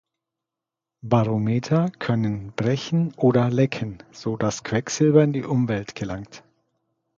Barometer können brechen oder lecken, so dass Quecksilber in die Umwelt gelangt.